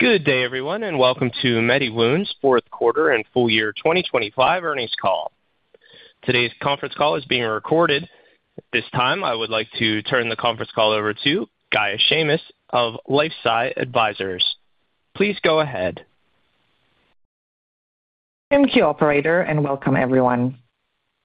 Good day, everyone. Welcome to MediWound's fourth quarter and full year 2025 earnings call. Today's conference call is being recorded. At this time, I would like to turn the conference call over to Gaia Shamis of LifeSci Advisors. Please go ahead. Thank you, operator, and welcome everyone.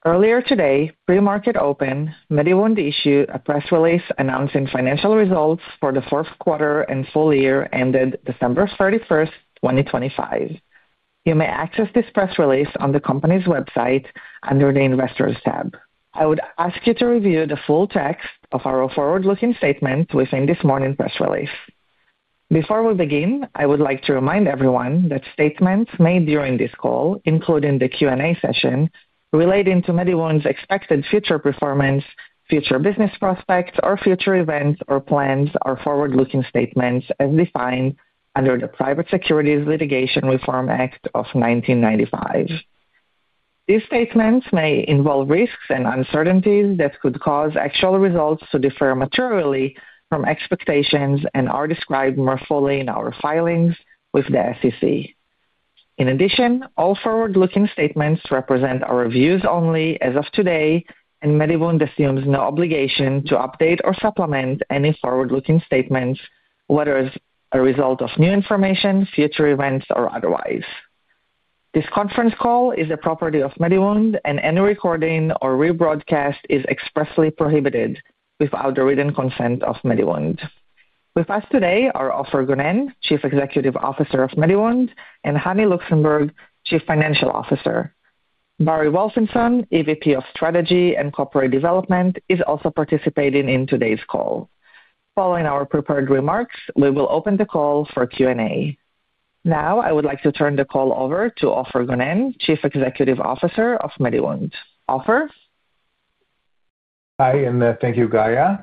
Earlier today, pre-market open, MediWound issued a press release announcing financial results for the fourth quarter and full year ended December 31st, 2025. You may access this press release on the company's website under the Investors tab. I would ask you to review the full text of our forward-looking statement within this morning press release. Before we begin, I would like to remind everyone that statements made during this call, including the Q&A session, relating to MediWound's expected future performance, future business prospects, or future events or plans are forward-looking statements as defined under the Private Securities Litigation Reform Act of 1995. These statements may involve risks and uncertainties that could cause actual results to differ materially from expectations and are described more fully in our filings with the SEC. In addition, all forward-looking statements represent our views only as of today, and MediWound assumes no obligation to update or supplement any forward-looking statements, whether as a result of new information, future events, or otherwise. This conference call is the property of MediWound, and any recording or rebroadcast is expressly prohibited without the written consent of MediWound. With us today are Ofer Gonen, Chief Executive Officer of MediWound, and Hani Luxenburg, Chief Financial Officer. Barry Wolfson, EVP of Strategy and Corporate Development, is also participating in today's call. Following our prepared remarks, we will open the call for Q&A. Now, I would like to turn the call over to Ofer Gonen, Chief Executive Officer of MediWound. Ofer? Hi, thank you, Gaia.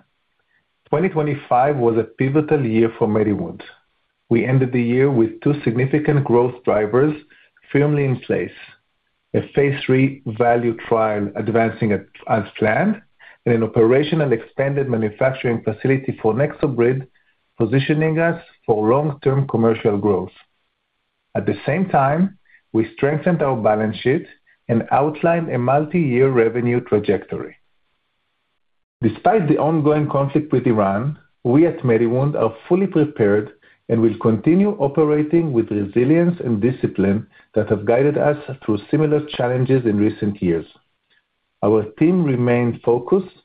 2025 was a pivotal year for MediWound. We ended the year with two significant growth drivers firmly in place. A Phase III VALUE trial advancing as planned and an operational expanded manufacturing facility for NexoBrid, positioning us for long-term commercial growth. At the same time, we strengthened our balance sheet and outlined a multi-year revenue trajectory. Despite the ongoing conflict with Iran, we at MediWound are fully prepared and will continue operating with resilience and discipline that have guided us through similar challenges in recent years. Our team remained focused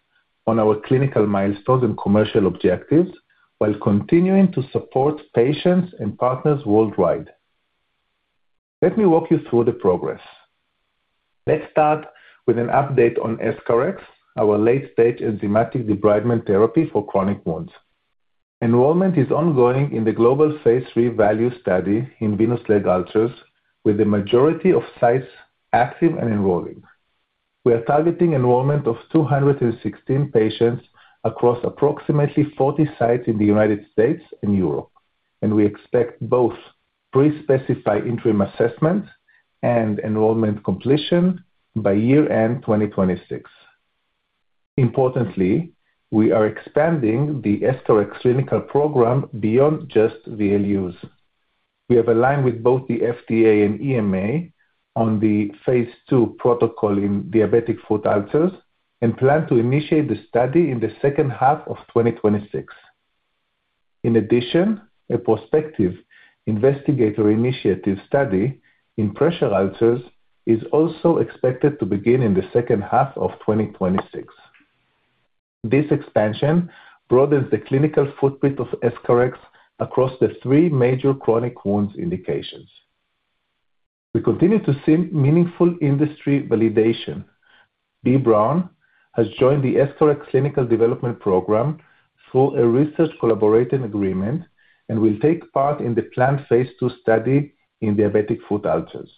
on our clinical milestones and commercial objectives while continuing to support patients and partners worldwide. Let me walk you through the progress. Let's start with an update on EscharEx, our late-stage enzymatic debridement therapy for chronic wounds. Enrollment is ongoing in the global Phase III VALUE study in venous leg ulcers, with the majority of sites active and enrolling. We are targeting enrollment of 216 patients across approximately 40 sites in the United States and Europe. We expect both pre-specified interim assessment and enrollment completion by year end 2026. Importantly, we are expanding the EscharEx clinical program beyond just VLUs. We have aligned with both the FDA and EMA on the Phase II protocol in diabetic foot ulcers and plan to initiate the study in the second half of 2026. In addition, a prospective investigator initiative study in pressure ulcers is also expected to begin in the second half of 2026. This expansion broadens the clinical footprint of EscharEx across the three major chronic wounds indications. We continue to see meaningful industry validation. B. Braun has joined the EscharEx clinical development program through a research collaborating agreement and will take part in the planned Phase II study in diabetic foot ulcers.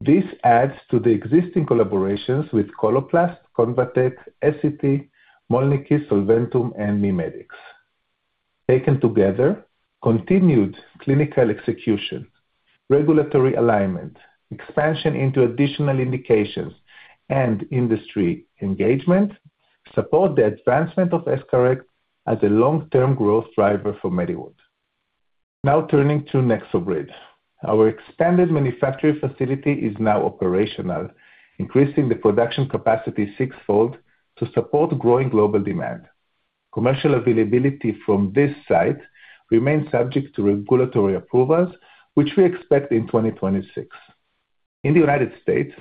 This adds to the existing collaborations with Coloplast, Convatec, Essity, Mölnlycke, Solventum, and MIMEDX. Taken together, continued clinical execution, regulatory alignment, expansion into additional indications and industry engagement support the advancement of EscharEx as a long-term growth driver for MediWound. Turning to NexoBrid. Our expanded manufacturing facility is now operational, increasing the production capacity sixfold to support growing global demand. Commercial availability from this site remains subject to regulatory approvals, which we expect in 2026. In the United States,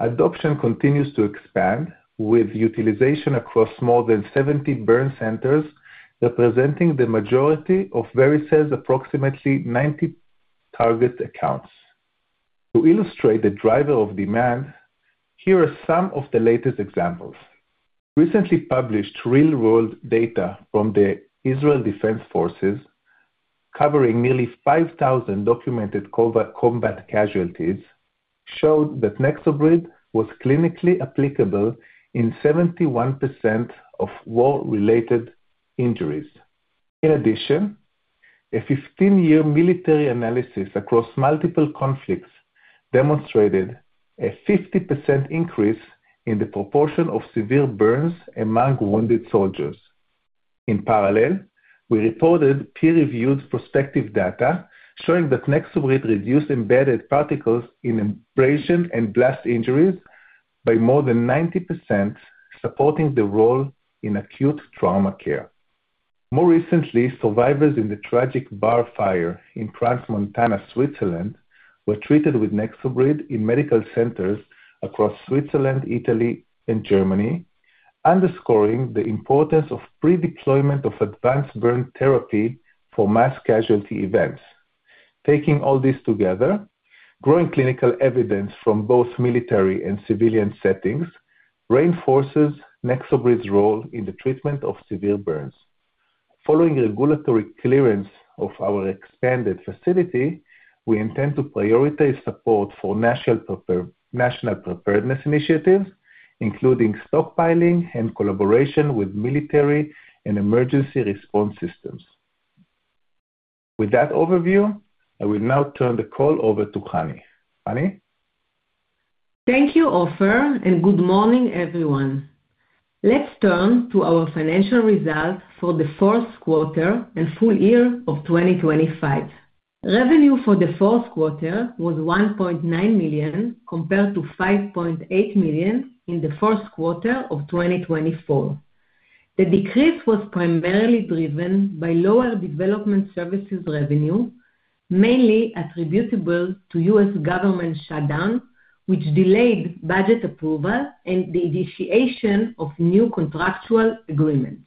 adoption continues to expand, with utilization across more than 70 burn centers, representing the majority of Vericel's approximately 90 target accounts. To illustrate the driver of demand, here are some of the latest examples. Recently published real-world data from the Israel Defense Forces, covering nearly 5,000 documented combat casualties, showed that NexoBrid was clinically applicable in 71% of war-related injuries. In addition, a 15-year military analysis across multiple conflicts demonstrated a 50% increase in the proportion of severe burns among wounded soldiers. In parallel, we reported peer-reviewed prospective data showing that NexoBrid reduced embedded particles in abrasion and blast injuries by more than 90%, supporting the role in acute trauma care. More recently, survivors in the tragic bar fire in Crans-Montana, Switzerland, were treated with NexoBrid in medical centers across Switzerland, Italy, and Germany, underscoring the importance of pre-deployment of advanced burn therapy for mass casualty events. Taking all this together, growing clinical evidence from both military and civilian settings reinforces NexoBrid's role in the treatment of severe burns. Following regulatory clearance of our expanded facility, we intend to prioritize support for national preparedness initiatives, including stockpiling and collaboration with military and emergency response systems. With that overview, I will now turn the call over to Hani. Hani? Thank you, Ofer. Good morning, everyone. Let's turn to our financial results for the fourth quarter and full year of 2025. Revenue for the fourth quarter was $1.9 million, compared to $5.8 million in the first quarter of 2024. The decrease was primarily driven by lower development services revenue, mainly attributable to U.S. government shutdown, which delayed budget approval and the initiation of new contractual agreements.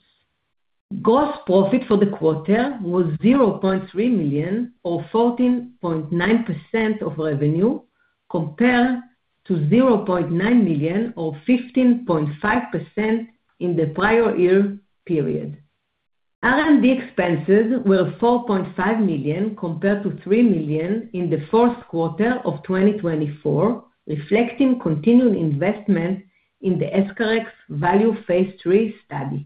Gross profit for the quarter was $0.3 million, or 14.9% of revenue, compared to $0.9 million or 15.5% in the prior year period. R&D expenses were $4.5 million compared to $3 million in the fourth quarter of 2024, reflecting continuing investment in the EscharEx VALUE Phase III study.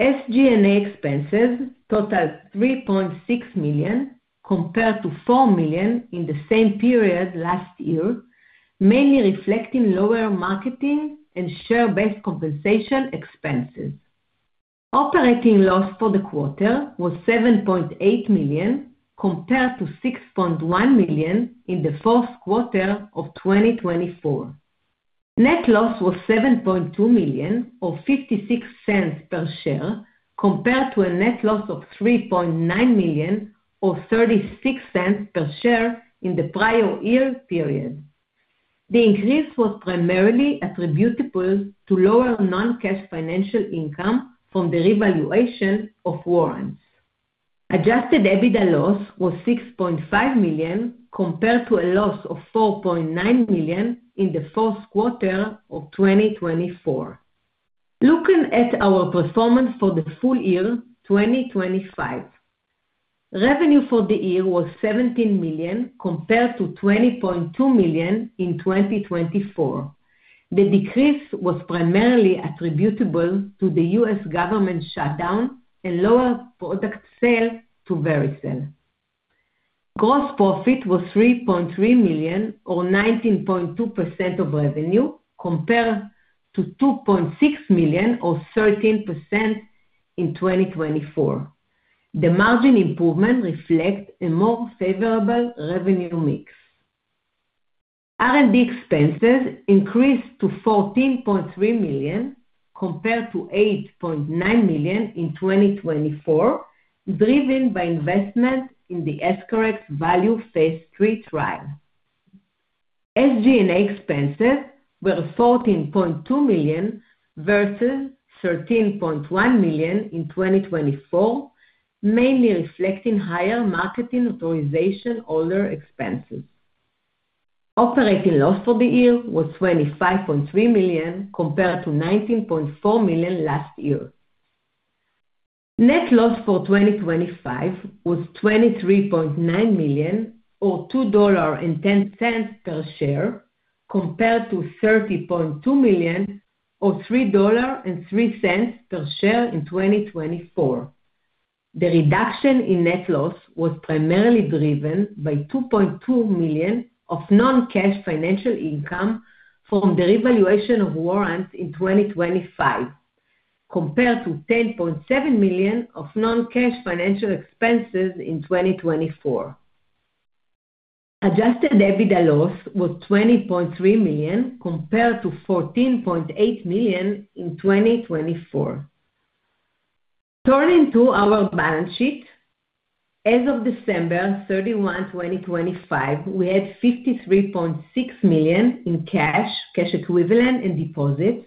SG&A expenses totaled $3.6 million compared to $4 million in the same period last year, mainly reflecting lower marketing and share-based compensation expenses. Operating loss for the quarter was $7.8 million compared to $6.1 million in the fourth quarter of 2024. Net loss was $7.2 million or $0.56 per share compared to a net loss of $3.9 million or $0.36 per share in the prior year period. The increase was primarily attributable to lower non-cash financial income from the revaluation of warrants. Adjusted EBITDA loss was $6.5 million compared to a loss of $4.9 million in the fourth quarter of 2024. Looking at our performance for the full year 2025. Revenue for the year was $17 million compared to $20.2 million in 2024. The decrease was primarily attributable to the U.S. government shutdown and lower product sales to Vericel. Gross profit was $3.3 million or 19.2% of revenue compared to $2.6 million or 13% in 2024. The margin improvement reflects a more favorable revenue mix. R&D expenses increased to $14.3 million compared to $8.9 million in 2024, driven by investment in the EscharEx VALUE Phase III trial. SG&A expenses were $14.2 million versus $13.1 million in 2024, mainly reflecting higher marketing authorization owner expenses. Operating loss for the year was $25.3 million compared to $19.4 million last year. Net loss for 2025 was $23.9 million, or $2.10 per share, compared to $30.2 million, or $3.03 per share in 2024. The reduction in net loss was primarily driven by $2.2 million of non-cash financial income from the revaluation of warrants in 2025, compared to $10.7 million of non-cash financial expenses in 2024. Adjusted EBITDA loss was $20.3 million compared to $14.8 million in 2024. Turning to our balance sheet. As of December 31, 2025, we had $53.6 million in cash equivalent and deposits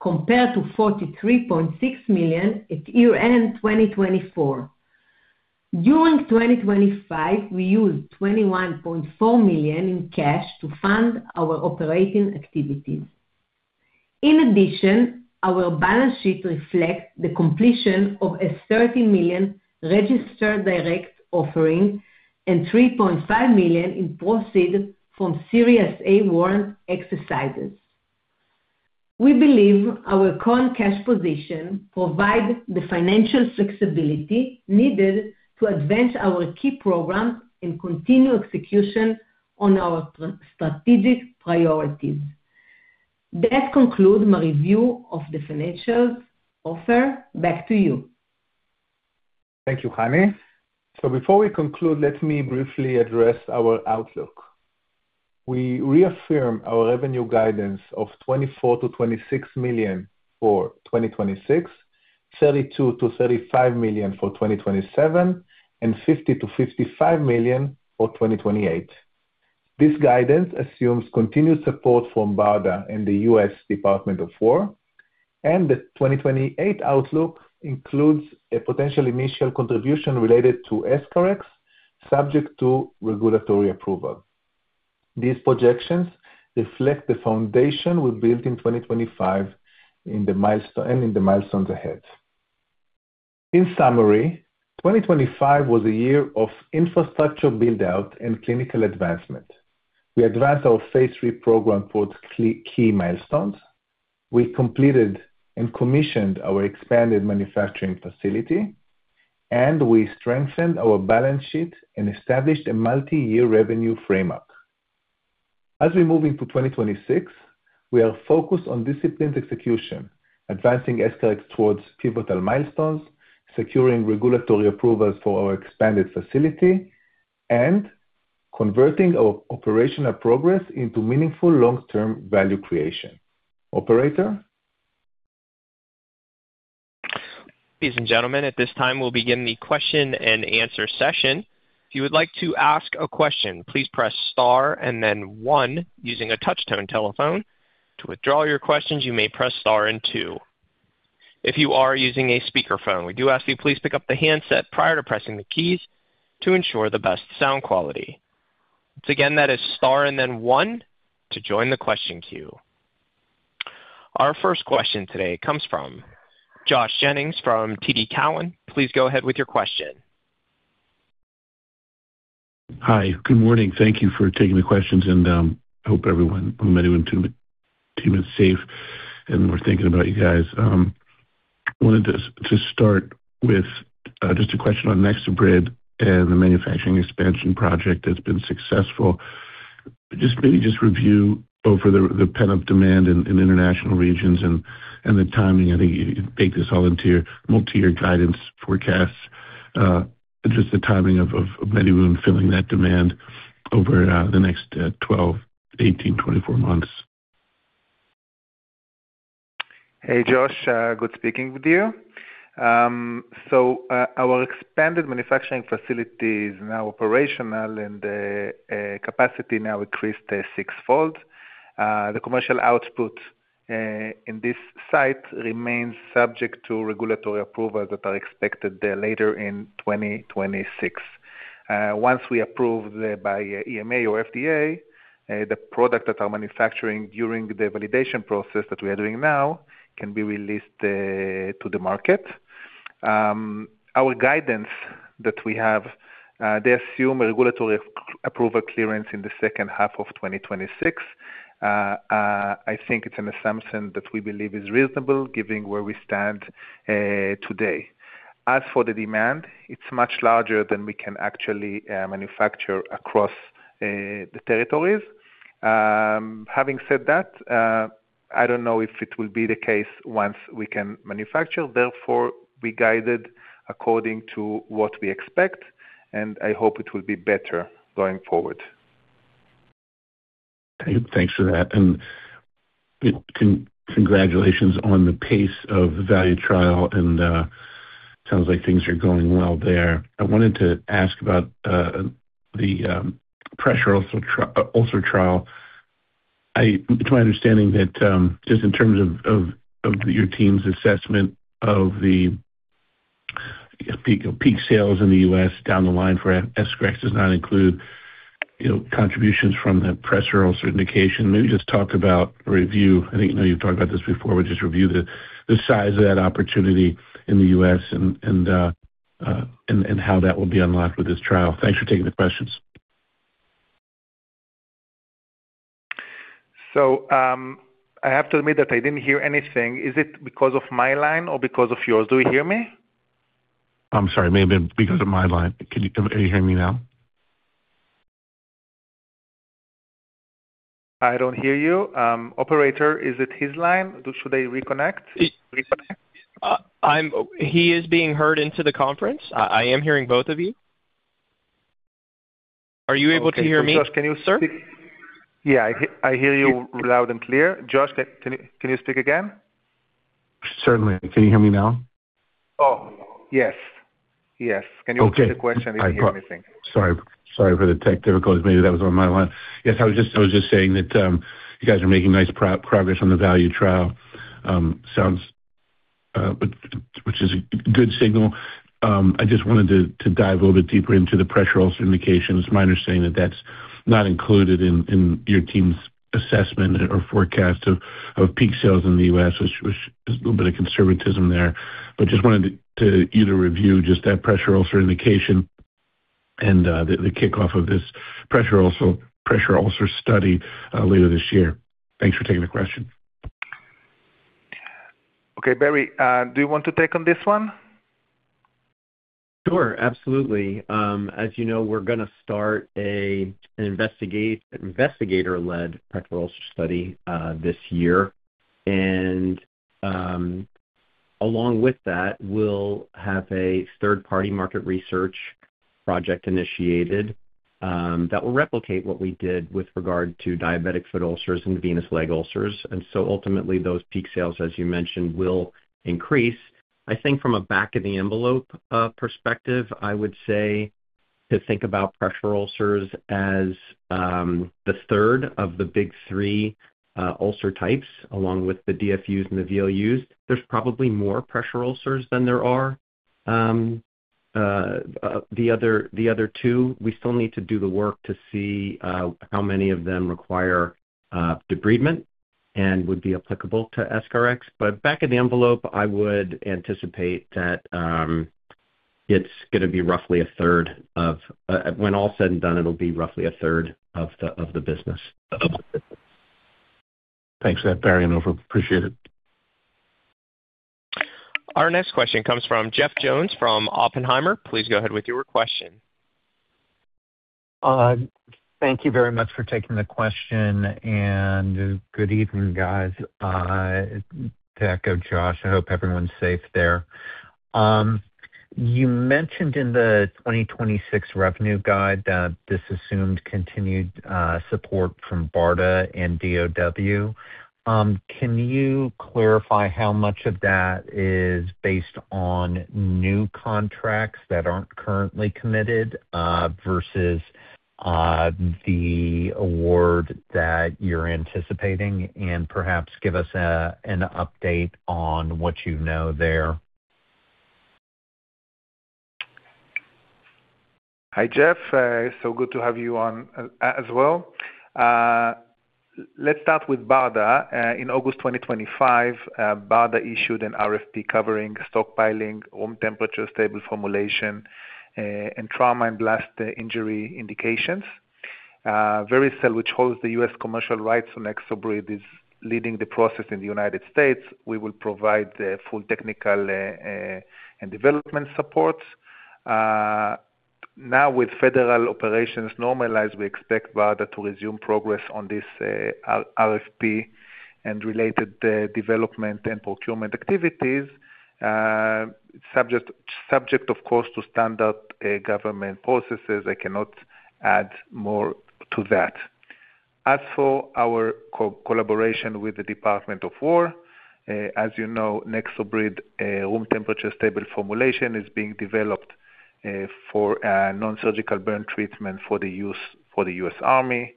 compared to $43.6 million at year-end 2024. During 2025, we used $21.4 million in cash to fund our operating activities. Our balance sheet reflects the completion of a $30 million registered direct offering and $3.5 million in proceeds from Series A warrant exercises. We believe our current cash position provides the financial flexibility needed to advance our key programs and continue execution on our strategic priorities. That concludes my review of the financial. Ofer, Back to you. Thank you, Hani. Before we conclude, let me briefly address our outlook. We reaffirm our revenue guidance of $24 million-$26 million for 2026, $32 million-$35 million for 2027, and $50 million-$55 million for 2028. This guidance assumes continued support from BARDA and the U.S. Department of War, and the 2028 outlook includes a potential initial contribution related to EscharEx, subject to regulatory approval. These projections reflect the foundation we built in 2025 and in the milestones ahead. In summary, 2025 was a year of infrastructure build-out and clinical advancement. We advanced our Phase III program towards key milestones. We completed and commissioned our expanded manufacturing facility, we strengthened our balance sheet and established a multi-year revenue framework. As we move into 2026, we are focused on disciplined execution, advancing EscharEx towards pivotal milestones, securing regulatory approvals for our expanded facility, and converting our operational progress into meaningful long-term value creation. Operator? Ladies and gentlemen, at this time, we'll begin the question-and-answer session. If you would like to ask a question, please press star and then one using a touch-tone telephone. To withdraw your questions, you may press star and two. If you are using a speakerphone, we do ask you please pick up the handset prior to pressing the keys to ensure the best sound quality. Once again, that is star and then one to join the question queue. Our first question today comes from Josh Jennings from TD Cowen. Please go ahead with your question. Hi. Good morning. Thank you for taking the questions, and hope everyone, MediWound team is safe and we're thinking about you guys. wanted to start with just a question on NexoBrid and the manufacturing expansion project that's been successful. Just maybe review both for the pent-up demand in international regions and the timing. I think you baked this all into your multi-year guidance forecasts, but just the timing of MediWound filling that demand over the next 12, 18, 24 months. Hey, Josh. Good speaking with you. Our expanded manufacturing facility is now operational and capacity now increased sixfold. The commercial output in this site remains subject to regulatory approvals that are expected later in 2026. Once we approve by EMA or FDA, the product that are manufacturing during the validation process that we are doing now can be released to the market. Our guidance that we have, they assume a regulatory approval clearance in the second half of 2026. I think it's an assumption that we believe is reasonable given where we stand today. As for the demand, it's much larger than we can actually manufacture across the territories. Having said that, I don't know if it will be the case once we can manufacture. We guided according to what we expect, and I hope it will be better going forward. Thanks for that. Congratulations on the pace of the VALUE trial and sounds like things are going well there. I wanted to ask about the pressure ulcer trial. It's my understanding that just in terms of your team's assessment of the peak sales in the U.S. down the line for EscharEx does not include, you know, contributions from the pressure ulcer indication. Maybe just talk about review. I think, you know, you've talked about this before, but just review the size of that opportunity in the U.S. and how that will be unlocked with this trial? Thanks for taking the questions. I have to admit that I didn't hear anything. Is it because of my line or because of yours? Do you hear me? I'm sorry. Maybe because of my line. Do you hear me now? I don't hear you. Operator, is it his line? Should I reconnect? He is being heard into the conference. I am hearing both of you. Are you able to hear me, sir? Yeah, I hear you loud and clear. Josh, can you speak again? Certainly. Can you hear me now? Oh, yes. Yes. Okay. Can you repeat the question? I didn't hear anything. Sorry, sorry for the tech difficulties. Maybe that was on my line. Yes, I was just saying that you guys are making nice progress on the VALUE trial. Sounds, which is a good signal. I just wanted to dive a little bit deeper into the pressure ulcer indications. My understanding that that's not included in your team's assessment or forecast of peak sales in the U.S., which is a little bit of conservatism there. Just wanted to either review just that pressure ulcer indication and the kickoff of this pressure ulcer study later this year. Thanks for taking the question. Okay. Barry, do you want to take on this one? Sure. Absolutely. As you know, we're gonna start an investigator-led pressure ulcer study this year. Along with that, we'll have a third-party market research project initiated that will replicate what we did with regard to diabetic foot ulcers and venous leg ulcers. Ultimately, those peak sales, as you mentioned, will increase. I think from a back of the envelope perspective, I would say to think about pressure ulcers as the third of the big three ulcer types, along with the DFUs and the VLUs. There's probably more pressure ulcers than there are the other two. We still need to do the work to see how many of them require debridement and would be applicable to EscharEx. Back of the envelope, I would anticipate that. When all said and done, it'll be roughly a third of the business. Thanks for that, Barry, and Ofer. Appreciate it. Our next question comes from Jeff Jones from Oppenheimer. Please go ahead with your question. Thank you very much for taking the question, good evening, guys. To echo Josh, I hope everyone's safe there. You mentioned in the 2026 revenue guide that this assumed continued support from BARDA and DoW. Can you clarify how much of that is based on new contracts that aren't currently committed versus the award that you're anticipating? Perhaps give us an update on what you know there. Hi, Jeff. Good to have you on as well. Let's start with BARDA. In August 2025, BARDA issued an RFP covering stockpiling, room temperature, stable formulation, and trauma and blast injury indications. Vericel, which holds the U.S. commercial rights on NexoBrid, is leading the process in the United States. We will provide the full technical and development support. Now with federal operations normalized, we expect BARDA to resume progress on this RFP and related development and procurement activities, subject, of course, to standard government processes. I cannot add more to that. As for our collaboration with the Department of War, as you know, NexoBrid room temperature stable formulation is being developed for a nonsurgical burn treatment for the U.S. Army.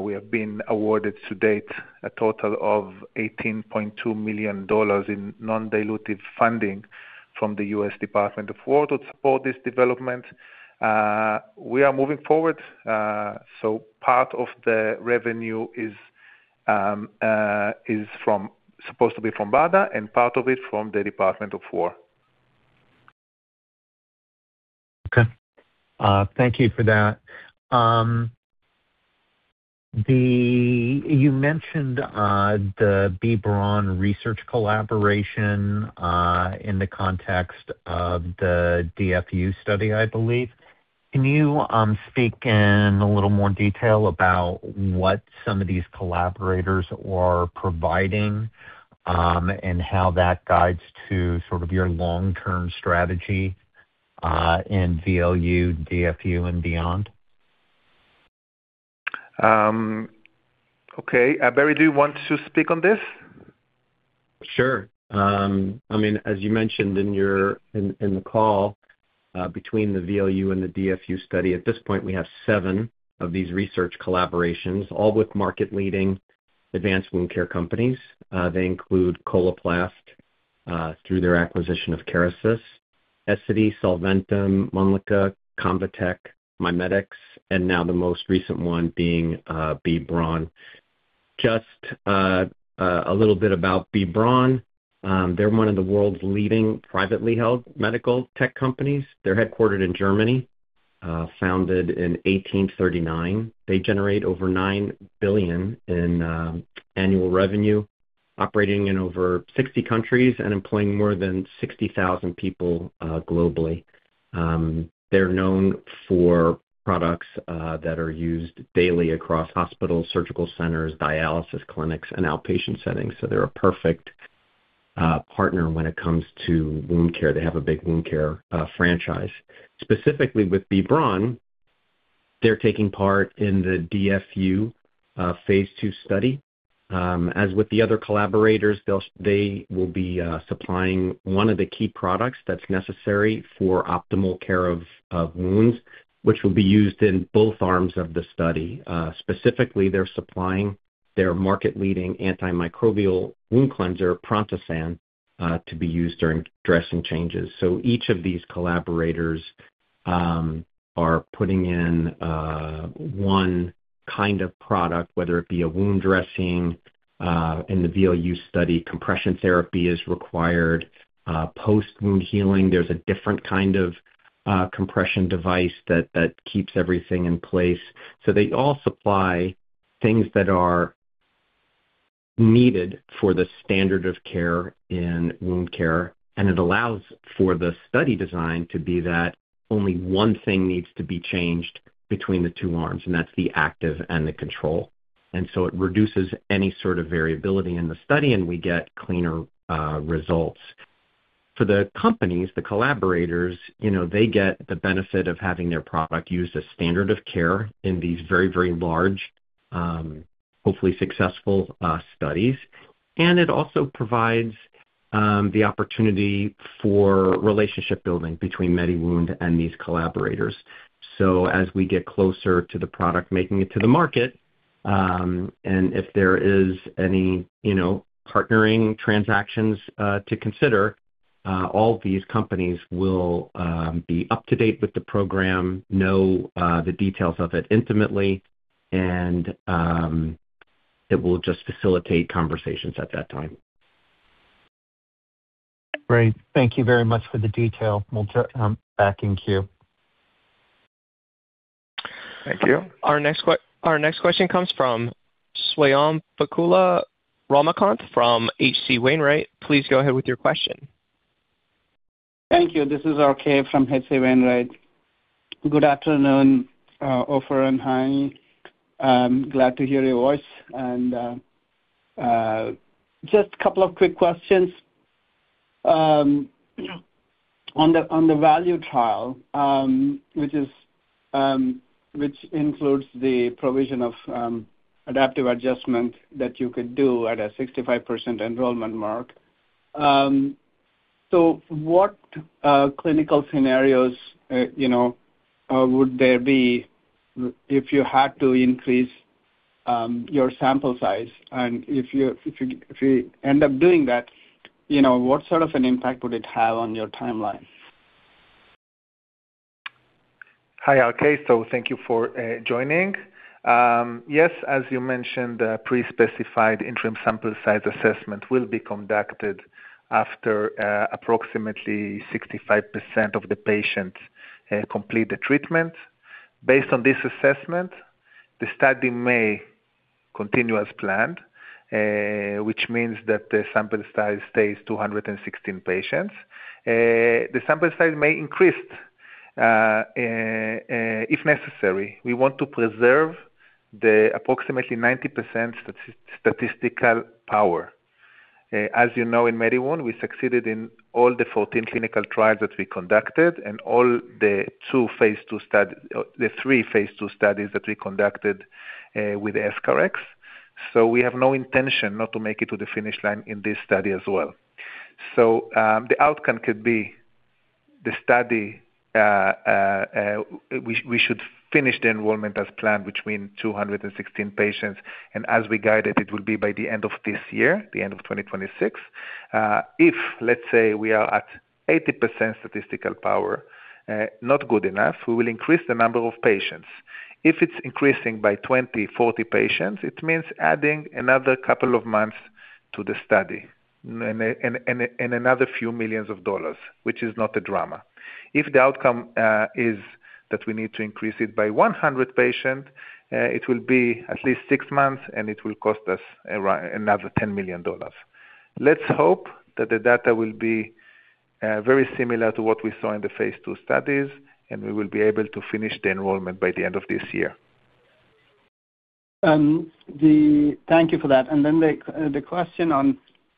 We have been awarded to date a total of $18.2 million in non-dilutive funding from the U.S. Department of War to support this development. We are moving forward, so part of the revenue is supposed to be from BARDA and part of it from the Department of War. Thank you for that. You mentioned the B. Braun research collaboration in the context of the DFU study, I believe. Can you speak in a little more detail about what some of these collaborators are providing, and how that guides to sort of your long-term strategy in VLU, DFU and beyond? Okay. Barry, do you want to speak on this? Sure. As you mentioned in the call, between the VLU and the DFU study, at this point we have seven of these research collaborations, all with market-leading advanced wound care companies. They include Coloplast, through their acquisition of Kerecis, Essity, Solventum, Mölnlycke, Convatec, MIMEDX, and now the most recent one being B. Braun. A little bit about B. Braun. They're one of the world's leading privately held medical tech companies. They're headquartered in Germany, founded in 1839. They generate over $9 billion in annual revenue, operating in over 60 countries and employing more than 60,000 people globally. They're known for products that are used daily across hospitals, surgical centers, dialysis clinics, and outpatient settings. They're a perfect partner when it comes to wound care. They have a big wound care franchise. Specifically with B. Braun, they're taking part in the DFU Phase II study. As with the other collaborators, they will be supplying one of the key products that's necessary for optimal care of wounds, which will be used in both arms of the study. Specifically, they're supplying their market-leading antimicrobial wound cleanser, Prontosan, to be used during dressing changes. Each of these collaborators are putting in one-. Kind of product, whether it be a wound dressing, in the VLU study, compression therapy is required. Post-wound healing, there's a different kind of compression device that keeps everything in place. They all supply things that are needed for the standard of care in wound care, and it allows for the study design to be that only one thing needs to be changed between the two arms, and that's the active and the control. It reduces any sort of variability in the study, and we get cleaner results. For the companies, the collaborators, you know, they get the benefit of having their product used as standard of care in these very, very large, hopefully successful studies. It also provides the opportunity for relationship building between MediWound and these collaborators. As we get closer to the product making it to the market, and if there is any, you know, partnering transactions, to consider, all these companies will be up to date with the program, know the details of it intimately, and it will just facilitate conversations at that time. Great. Thank you very much for the detail. Back in queue. Thank you. Our next question comes from Swayampakula Ramakanth from H.C. Wainwright. Please go ahead with your question. Thank you. This is RK from H.C. Wainwright. Good afternoon, Ofer and Hani. I'm glad to hear your voice and just a couple of quick questions. On the VALUE trial, which is, which includes the provision of adaptive adjustment that you could do at a 65% enrollment mark. What clinical scenarios, you know, would there be if you had to increase your sample size? If you end up doing that, you know, what sort of an impact would it have on your timeline? Hi, RK. Thank you for joining. Yes, as you mentioned, the pre-specified interim sample size assessment will be conducted after approximately 65% of the patients complete the treatment. Based on this assessment, the study may continue as planned, which means that the sample size stays 216 patients. The sample size may increase if necessary. We want to preserve the approximately 90% statistical power. As you know, in MediWound, we succeeded in all the 14 clinical trials that we conducted and all the three Phase II studies that we conducted with EscharEx. We have no intention not to make it to the finish line in this study as well. The outcome could be the study, we should finish the enrollment as planned between 216 patients, as we guided, it will be by the end of this year, the end of 2026. If, let's say, we are at 80% statistical power, not good enough, we will increase the number of patients. If it's increasing by 20, 40 patients, it means adding another couple of months to the study and another few millions of dollars, which is not a drama. If the outcome is that we need to increase it by 100 patient, it will be at least six months, and it will cost us another $10 million. Let's hope that the data will be very similar to what we saw in the Phase II studies, and we will be able to finish the enrollment by the end of this year. Thank you for that.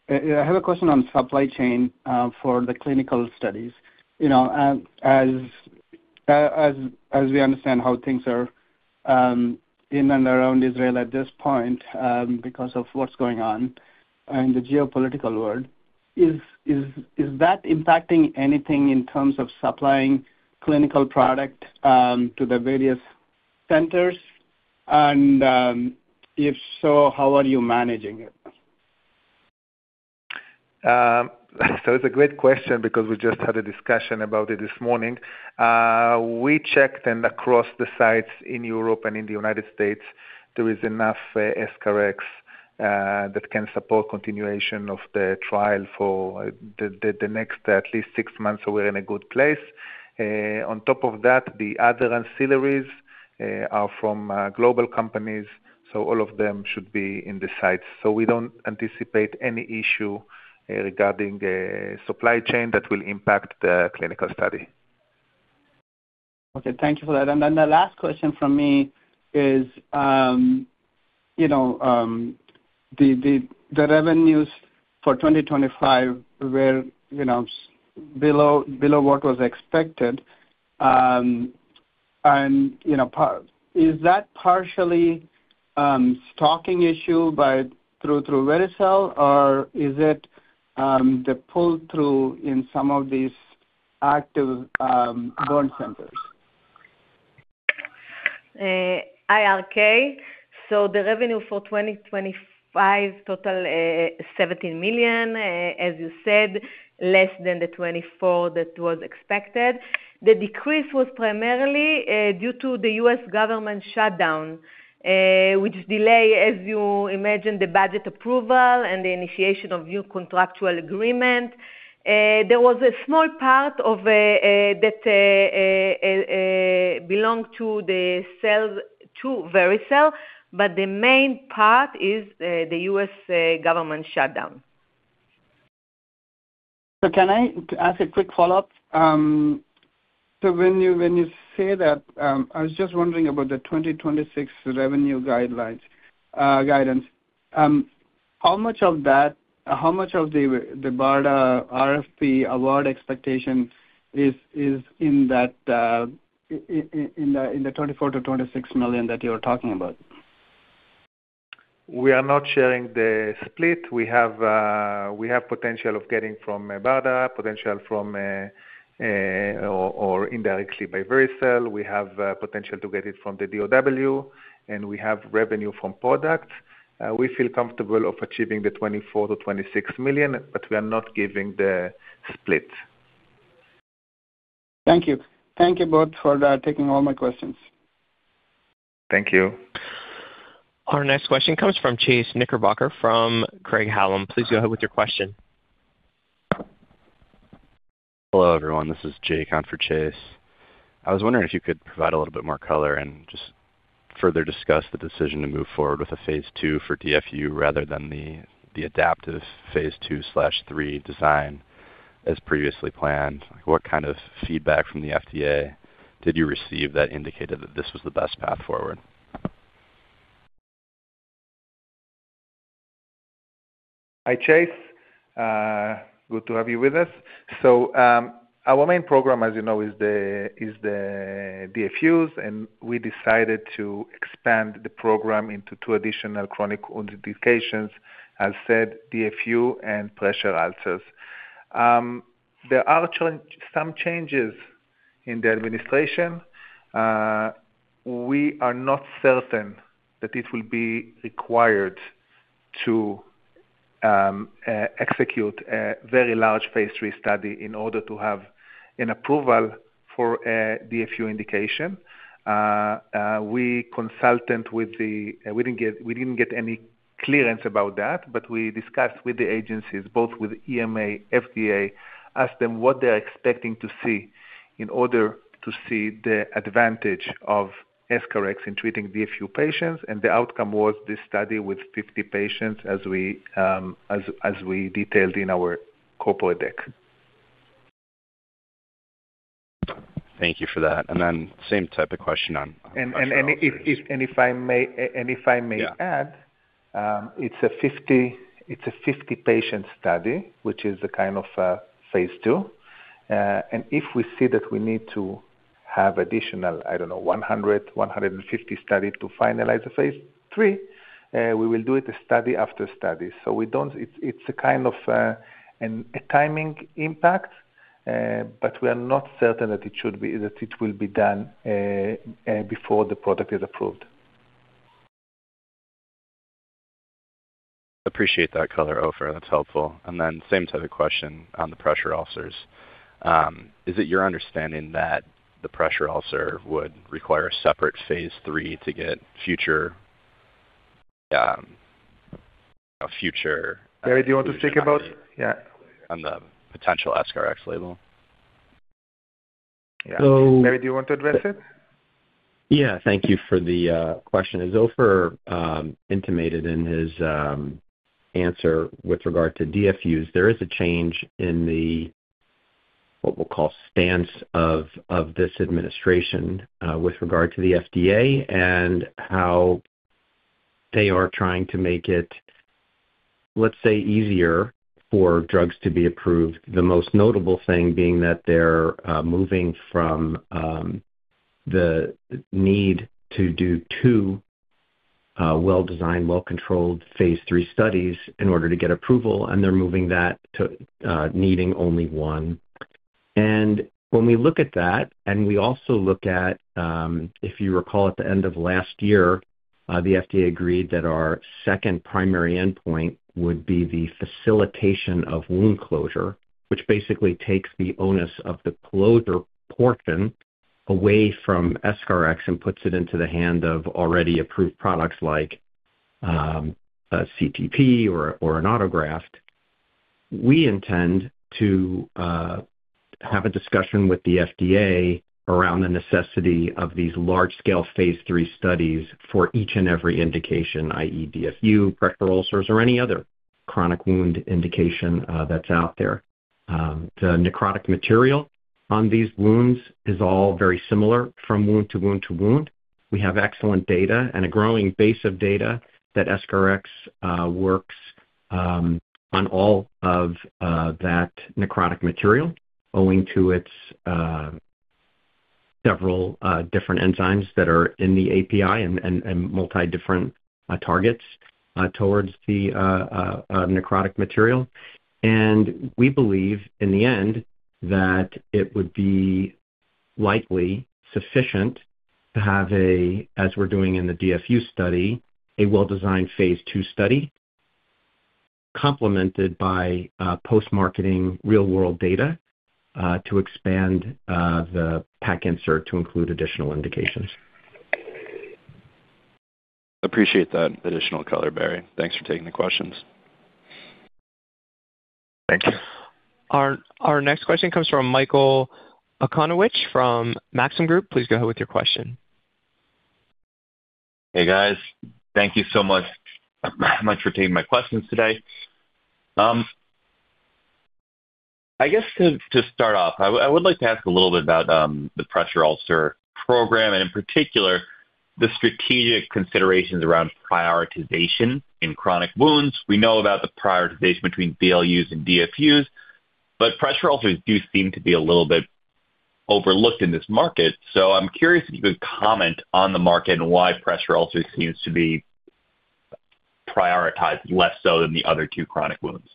I have a question on supply chain for the clinical studies. You know, as we understand how things are in and around Israel at this point, because of what's going on in the geopolitical world, is that impacting anything in terms of supplying clinical product to the various centers? If so, how are you managing it? It's a great question because we just had a discussion about it this morning. We checked, and across the sites in Europe and in the United States, there is enough EscharEx that can support continuation of the trial for the next at least six months, so we're in a good place. On top of that, the other ancillaries are from global companies, so all of them should be in the sites. We don't anticipate any issue regarding the supply chain that will impact the clinical study. Okay. Thank you for that. The last question from me is, you know, the revenues for 2025 were, you know, below what was expected. You know, Is that partially stocking issue by through Vericel or is it the pull-through in some of these active burn centers? Hi, RK, the revenue for 2025 total, $17 million, as you said, less than the $24 million that was expected. The decrease was primarily due to the U.S. government shutdown, which delay, as you imagine, the budget approval and the initiation of new contractual agreement. There was a small part of a, that, belong to the sale to Vericel, but the main part is the U.S. government shutdown. Can I ask a quick follow-up? When you say that, I was just wondering about the 2026 revenue guidelines, guidance. How much of that, how much of the BARDA RFP award expectation is in that, in the $24 million-$26 million that you are talking about? We are not sharing the split. We have, we have potential of getting from BARDA, potential from, or indirectly by Vericel. We have potential to get it from the DoW, we have revenue from product. We feel comfortable of achieving the $24 million-$26 million, we are not giving the split. Thank you. Thank you both for taking all my questions. Thank you. Our next question comes from Chase Knickerbocker from Craig-Hallum. Please go ahead with your question. Hello, everyone. This is Jason for Chase. I was wondering if you could provide a little bit more color and just further discuss the decision to move forward with the Phase II for DFU rather than the adaptive Phase II/III design as previously planned. What kind of feedback from the FDA did you receive that indicated that this was the best path forward? Hi, Chase. Good to have you with us. Our main program, as you know, is the DFUs, and we decided to expand the program into two additional chronic wound indications, as said, DFU and pressure ulcers. There are some changes in the administration. We are not certain that it will be required to execute a very large Phase III study in order to have an approval for DFU indication. We didn't get any clearance about that, but we discussed with the agencies, both with EMA, FDA, asked them what they're expecting to see in order to see the advantage of EscharEx in treating DFU patients. The outcome was this study with 50 patients as we detailed in our corporate deck. Thank you for that. Same type of question. If I may, and if I may add. Yeah. It's a 50-patient study, which is a kind of Phase II. If we see that we need to have additional, I don't know, 150 study to finalize the Phase III, we will do it study after study. We don't. It's a kind of a timing impact. We are not certain that it will be done before the product is approved. Appreciate that color, Ofer. That's helpful. Same type of question on the pressure ulcers. Is it your understanding that the pressure ulcer would require a separate Phase III to get future? Barry, do you want to speak about... Yeah. On the potential EscharEx label. Yeah. So- Barry, do you want to address it? Yeah. Thank you for the question. As Ofer intimated in his answer with regard to DFUs, there is a change in the, what we'll call stance of this administration with regard to the FDA and how they are trying to make it, let's say, easier for drugs to be approved. The most notable thing being that they're moving from the need to do two well-designed, well-controlled Phase III studies in order to get approval, and they're moving that to needing only one. When we look at that, we also look at, if you recall, at the end of last year, the FDA agreed that our second primary endpoint would be the facilitation of wound closure, which basically takes the onus of the closure portion away from EscharEx and puts it into the hand of already approved products like a CTP or an autograft. We intend to have a discussion with the FDA around the necessity of these large-scale Phase III studies for each and every indication, i.e., DFU, pressure ulcers or any other chronic wound indication that's out there. The necrotic material on these wounds is all very similar from wound to wound to wound. We have excellent data and a growing base of data that EscharEx works on all of that necrotic material owing to its several different enzymes that are in the API and multi different targets towards the necrotic material. We believe in the end that Likely sufficient to have a, as we're doing in the DFU study, a well-designed Phase II study complemented by post-marketing real-world data to expand the pack insert to include additional indications. Appreciate that additional color, Barry. Thanks for taking the questions. Thank you. Our next question comes from Michael Okunewitch from Maxim Group. Please go ahead with your question. Hey, guys. Thank you so much for taking my questions today. I guess to start off, I would like to ask a little bit about the pressure ulcer program and in particular, the strategic considerations around prioritization in chronic wounds. We know about the prioritization between VLUs and DFUs, but pressure ulcers do seem to be a little bit overlooked in this market. I'm curious if you could comment on the market and why pressure ulcers seems to be prioritized less so than the other two chronic wounds.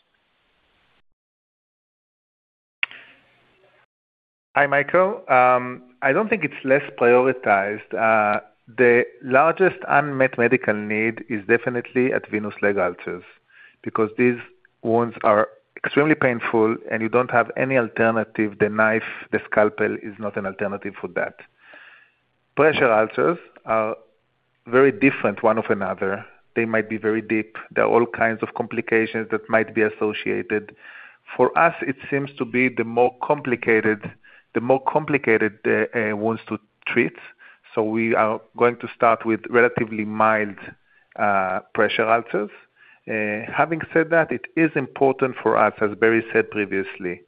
Hi, Michael. I don't think it's less prioritized. The largest unmet medical need is definitely at venous leg ulcers because these wounds are extremely painful, you don't have any alternative. The knife, the scalpel is not an alternative for that. Pressure ulcers are very different one of another. They might be very deep. There are all kinds of complications that might be associated. For us, it seems to be the more complicated wounds to treat. We are going to start with relatively mild pressure ulcers. Having said that, it is important for us, as Barry said previously,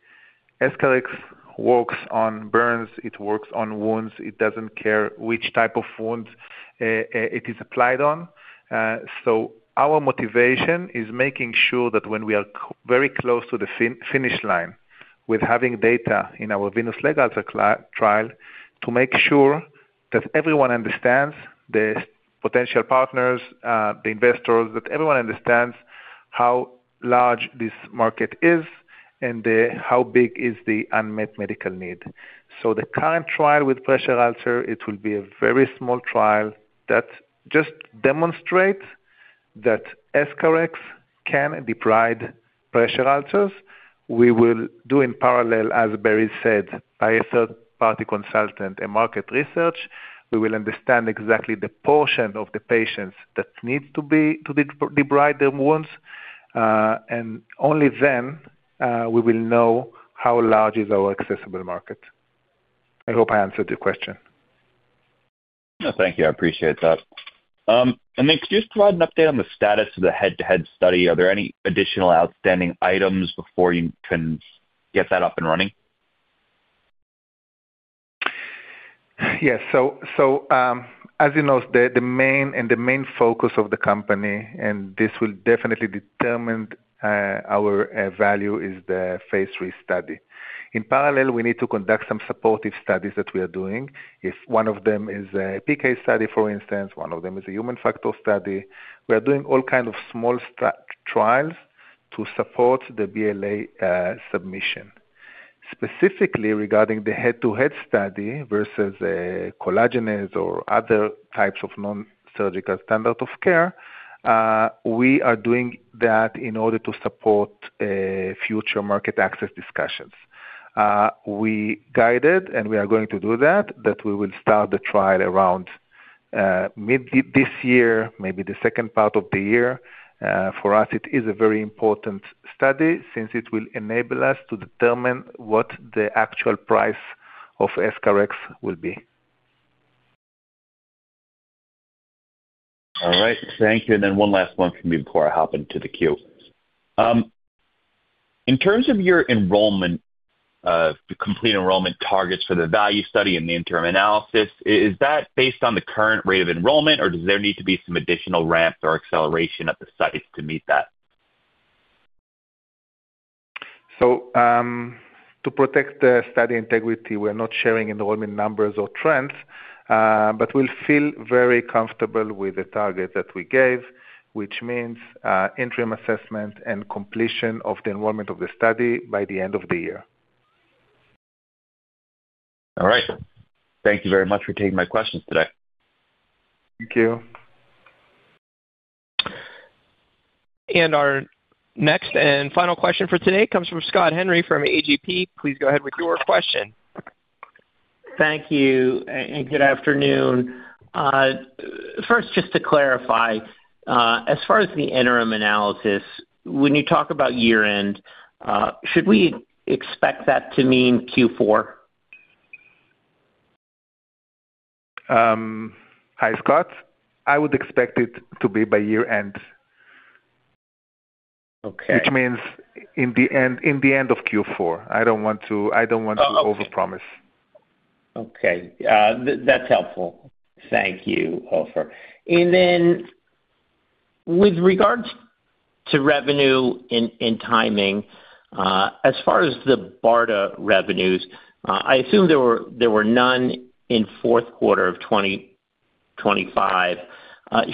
EscharEx works on burns, it works on wounds. It doesn't care which type of wounds it is applied on. Our motivation is making sure that when we are very close to the finish line with having data in our venous leg ulcer trial, to make sure that everyone understands, the potential partners, the investors, that everyone understands how large this market is and how big is the unmet medical need. The current trial with pressure ulcer, it will be a very small trial that just demonstrates that EscharEx can debride pressure ulcers. We will do in parallel, as Barry said, by a third-party consultant, a market research. We will understand exactly the portion of the patients that needs to be, to debride their wounds. Only then, we will know how large is our accessible market. I hope I answered your question. No, thank you. I appreciate that. Could you just provide an update on the status of the head-to-head study? Are there any additional outstanding items before you can get that up and running? Yes. As you know, the main focus of the company, and this will definitely determine our value, is the Phase III study. In parallel, we need to conduct some supportive studies that we are doing. If one of them is a PK study, for instance, one of them is a human factor study. We are doing all kind of small trials to support the BLA submission. Specifically regarding the head-to-head study versus a collagenase or other types of nonsurgical standard of care, we are doing that in order to support future market access discussions. We guided, and we are going to do that we will start the trial around mid this year, maybe the second part of the year. For us, it is a very important study since it will enable us to determine what the actual price of EscharEx will be. All right. Thank you. One last one from me before I hop into the queue. In terms of your enrollment, the complete enrollment targets for the VALUE study and the interim analysis, is that based on the current rate of enrollment, or does there need to be some additional ramps or acceleration at the sites to meet that? To protect the study integrity, we're not sharing enrollment numbers or trends, but we'll feel very comfortable with the target that we gave, which means, interim assessment and completion of the enrollment of the study by the end of the year. All right. Thank you very much for taking my questions today. Thank you. Our next and final question for today comes from Scott Henry from AGP. Please go ahead with your question. Thank you and good afternoon. First, just to clarify, as far as the interim analysis, when you talk about year-end, should we expect that to mean Q4? Hi, Scott. I would expect it to be by year-end. Okay. Means in the end of Q4. I don't want to overpromise. Okay. That's helpful. Thank you, Ofer. With regards to revenue and timing, as far as the BARDA revenues, I assume there were none in fourth quarter of 2025.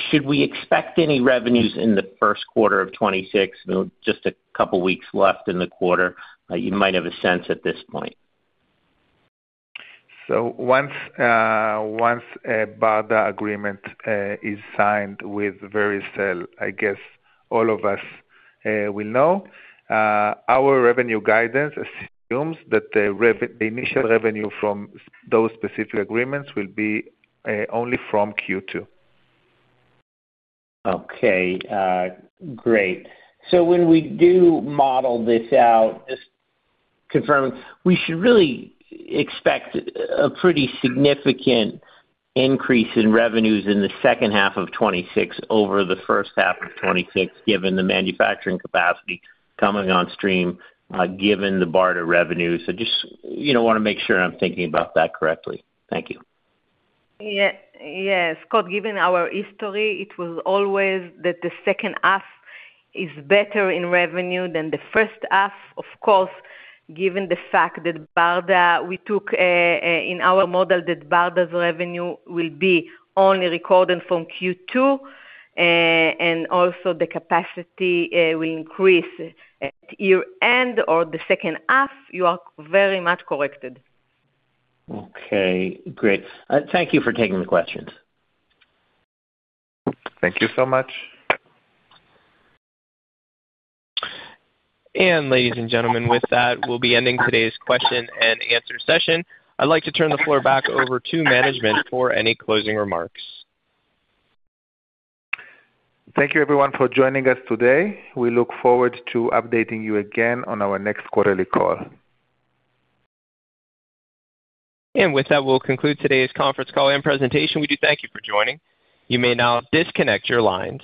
Should we expect any revenues in the first quarter of 2026? You know, just a couple of weeks left in the quarter. You might have a sense at this point. Once a BARDA agreement is signed with Vericel, I guess all of us will know. Our revenue guidance assumes that the initial revenue from those specific agreements will be only from Q2. Okay. Great. When we do model this out, just confirming, we should really expect a pretty significant increase in revenues in the second half of 2026 over the first half of 2026, given the manufacturing capacity coming on stream, given the BARDA revenue. Just, you know, wanna make sure I'm thinking about that correctly. Thank you. Yes, Scott. Given our history, it was always that the second half is better in revenue than the first half, of course, given the fact that BARDA, we took in our model that BARDA's revenue will be only recorded from Q2, and also the capacity will increase at year-end or the second half. You are very much corrected. Okay, great. Thank you for taking the questions. Thank you so much. Ladies and gentlemen, with that, we'll be ending today's question and answer session. I'd like to turn the floor back over to management for any closing remarks. Thank you everyone for joining us today. We look forward to updating you again on our next quarterly call. With that, we'll conclude today's conference call and presentation. We do thank you for joining. You may now disconnect your lines.